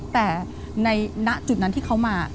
แต่ในณจุดนั้นที่เขามา